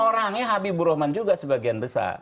orangnya habibur rahman juga sebagian besar